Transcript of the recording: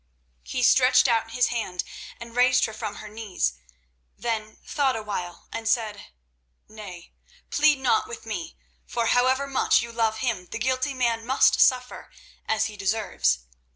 He stretched out his hand and raised her from her knees: then thought awhile, and said: "Nay, plead not with me, for however much you love him the guilty man must suffer, as he deserves.